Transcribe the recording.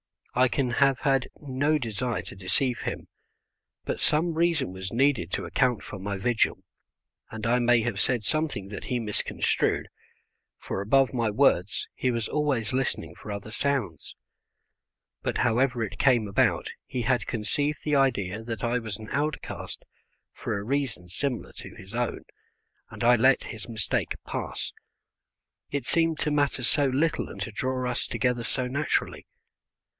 I can have had no desire to deceive him, but some reason was needed to account for my vigil, and I may have said something that he misconstrued, for above my words he was always listening for other sounds. But however it came about he had conceived the idea that I was an outcast for a reason similar to his own, and I let his mistake pass, it seemed to matter so little and to draw us together so naturally.